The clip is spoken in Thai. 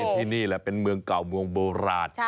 ที่นี่แหละเป็นเมืองเก่าเมืองโบราณ